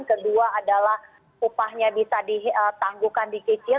kedua adalah upahnya bisa ditangguhkan di cicil